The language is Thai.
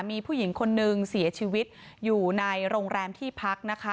มีผู้หญิงคนนึงเสียชีวิตอยู่ในโรงแรมที่พักนะคะ